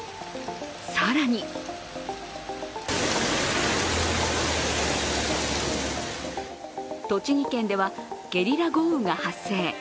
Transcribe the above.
更に栃木県ではゲリラ豪雨が発生。